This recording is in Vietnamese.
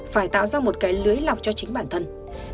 phải tạo ra một cái lưới lọc cho chính bản thân